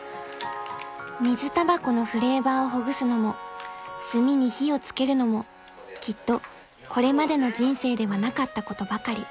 ［水たばこのフレーバーをほぐすのも炭に火を付けるのもきっとこれまでの人生ではなかったことばかり］